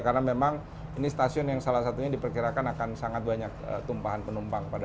karena memang ini stasiun yang salah satunya diperkirakan akan sangat banyak tumpahan penumpang